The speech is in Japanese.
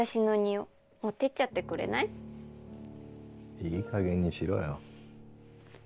いいかげんにしろよ。